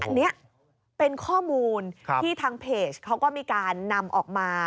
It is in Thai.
อันนี้เป็นข้อมูลที่ทางเพจเขาก็มีการนำออกมา